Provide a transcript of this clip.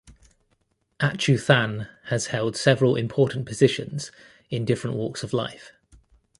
Achuthan has held several important positions in different walks of life.